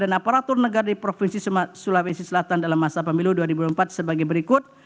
dan aparatur negara di provinsi sulawesi selatan dalam masa pemilu dua ribu empat sebagai berikut